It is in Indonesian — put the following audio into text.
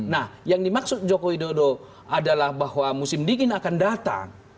nah yang dimaksud joko widodo adalah bahwa musim dingin akan datang